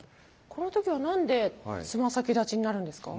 この時は何でつま先立ちになるんですか？